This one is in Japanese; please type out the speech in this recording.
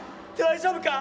大丈夫か？